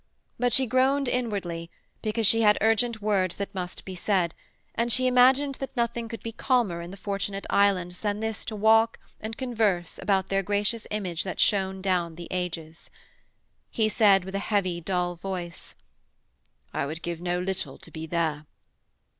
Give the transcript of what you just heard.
But she groaned inwardly because she had urgent words that must be said, and she imagined that nothing could be calmer in the Fortunate Islands themselves than this to walk and converse about their gracious image that shone down the ages. He said, with a heavy, dull voice: 'I would give no little to be there.'